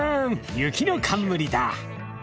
雪の冠だ。